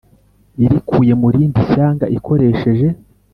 irikuye mu rindi shyanga ikoresheje